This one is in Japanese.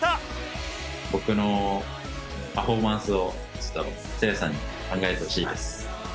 僕のパフォーマンスをちょっとせいやさんに考えてほしいです。